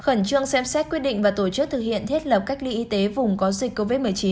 khẩn trương xem xét quyết định và tổ chức thực hiện thiết lập cách ly y tế vùng có dịch covid một mươi chín